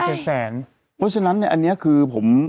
เพราะฉะนั้นเนี่ยอันนี้คือผม